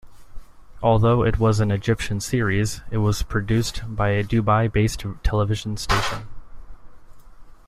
Although it was an Egyptian series, it was produced by a Dubai-based television station.